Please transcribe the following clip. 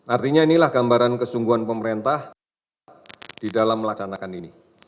artinya inilah gambaran kesungguhan pemerintah di dalam melaksanakan ini